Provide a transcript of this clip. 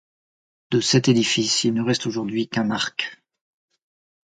De cet édifice il ne reste aujourd'hui qu'un arc.